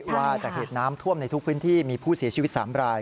ว่าจากเหตุน้ำท่วมในทุกพื้นที่มีผู้เสียชีวิต๓ราย